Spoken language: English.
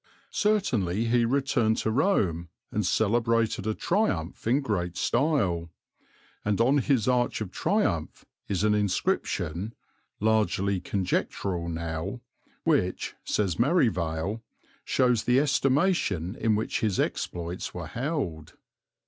Certainly he returned to Rome and celebrated a triumph in great style; and on his arch of triumph is an inscription (largely conjectural now) which, says Merivale, shows the estimation in which his exploits were held.